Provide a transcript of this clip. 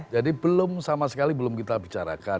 jadi belum sama sekali belum kita bicara